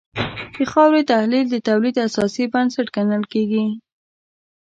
د خاورې تحلیل د تولید اساسي بنسټ ګڼل کېږي.